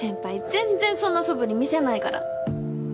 全然そんなそぶり見せないから。